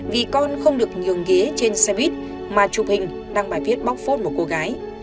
vì con không được nhường ghế trên xe buýt mà chụp hình đăng bài viết bóc phốt một cô gái